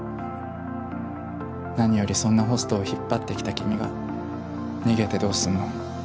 何よりそんなホストを引っ張ってきた君が逃げてどうすんの？